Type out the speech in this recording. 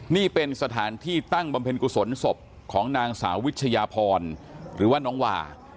นี่เป็นสถานที่ตั้งบำเพ็ญกุศลศพของนางสาววิชยาพรหรือว่าน้องวา